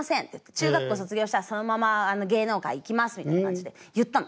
「中学校卒業したらそのまま芸能界行きます」みたいな感じで言ったの。